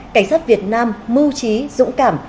cảnh sát việt nam mưu trí dũng cảm